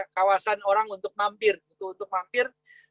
kawasan orang untuk mampir